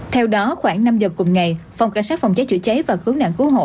theo đó khoảng năm giờ cùng ngày phòng cảnh sát phòng cháy chữa cháy và cứu nạn cứu hộ